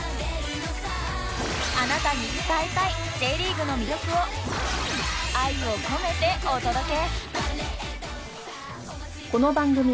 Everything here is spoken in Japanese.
あなたに伝えたい Ｊ リーグの魅力を愛を込めてお届け！